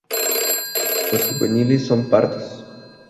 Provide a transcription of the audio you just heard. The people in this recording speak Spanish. Los juveniles son pardos.